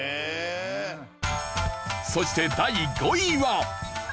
そして第５位は。